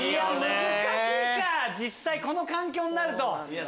難しいかこの環境になると。